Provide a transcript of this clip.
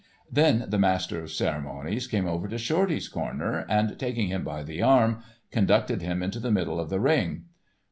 Then the master of ceremonies came over to Shorty's corner, and, taking him by the arm, conducted him into the middle of the ring.